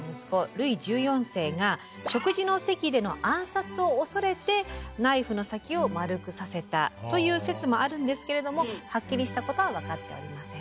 ルイ１４世が食事の席での暗殺をおそれてナイフの先を丸くさせたという説もあるんですけれどもはっきりしたことは分かっておりません。